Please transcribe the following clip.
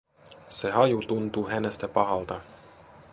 Se haju tuntuu hänestä pahalta.